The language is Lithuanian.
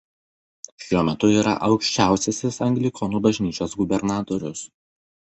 Šiuo metu yra aukščiausiasis anglikonų bažnyčios gubernatorius.